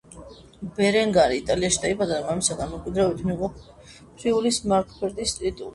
ბერენგარი იტალიაში დაიბადა და მამისგან მემკვიდრეობით მიიღო ფრიულის მარკგრაფის ტიტული.